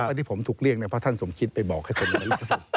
ถ้าที่ผมถูกเรียกเนี่ยเพราะท่านสมคิดไปบอกให้คนนี้